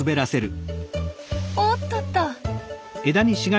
おっとっと！